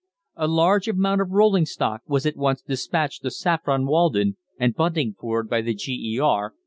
A large amount of rolling stock was at once despatched to Saffron Walden and Buntingford by the G.E.R.